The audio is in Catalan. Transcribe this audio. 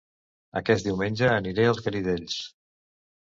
Aquest diumenge aniré a Els Garidells